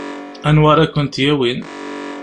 Anwa ara kent-yawin?